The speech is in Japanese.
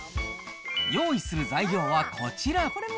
用意する材料はこちら。